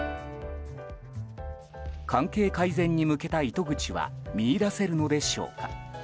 関係改善に向けた糸口は見いだせるのでしょうか。